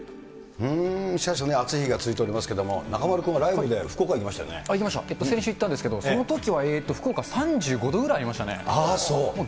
しかし、暑い日が続いていますけれども、中丸君はライブで福岡にいました行きました、先週行ったんですけれども、そのときは福岡３５度ぐらいありああ、そう。